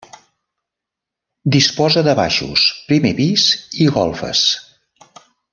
Disposa de baixos, primer pis i golfes.